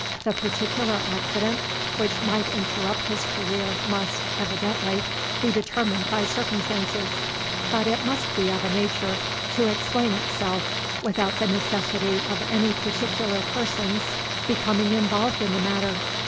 The particular accident which might interrupt his career must, evidently, be determined by circumstances; but it must be of a nature to explain itself without the necessity of any particular person's becoming involved in the matter.